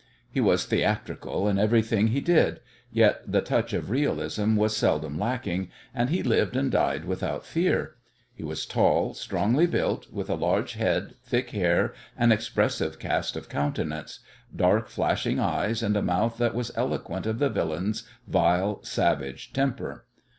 He was theatrical in everything he did; yet the touch of realism was seldom lacking, and he lived and died without fear. He was tall, strongly built, with a large head, thick hair, an expressive cast of countenance; dark, flashing eyes, and a mouth that was eloquent of the villain's vile, savage temper.